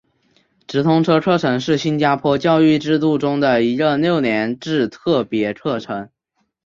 直通车课程是新加坡教育制度中的一个六年制特别课程。